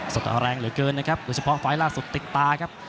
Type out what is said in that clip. สดแรงเหลือเกินนะครับโดยเฉพาะไฟล์ล่าสุดติดตาครับ